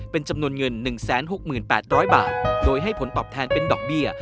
เป็นจำนวนเงิน๑๖๘๐๐บาทโดยให้ผลตอบแทนเป็นดอกเบี้ย